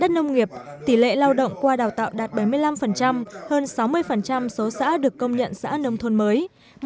đất nông nghiệp tỷ lệ lao động qua đào tạo đạt bảy mươi năm hơn sáu mươi số xã được công nhận xã nông thôn mới